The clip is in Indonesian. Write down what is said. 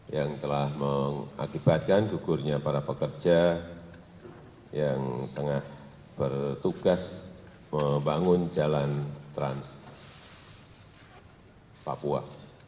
yang telah mengakibatkan gugurnya para pekerja yang tengah bertugas membangun jalan trans papua